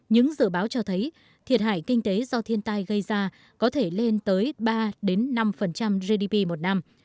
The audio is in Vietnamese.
những dự báo cho thấy thiệt hại kinh tế do thiên tai gây ra có thể lên tới ba năm gdp một năm